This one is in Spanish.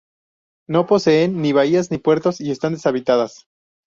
No poseen ni bahías ni puertos, y están deshabitadas.